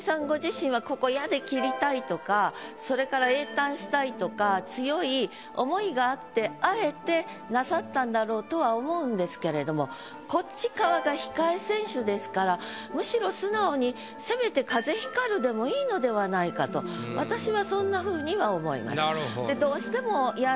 ご自身はここ「や」で切りたいとかそれから詠嘆したいとか強い思いがあってあえてなさったんだろうとは思うんですけれどもこっち側が「控え選手」ですからむしろ素直にせめて「風光る」でもいいのではないかと私はそんなふうには思います。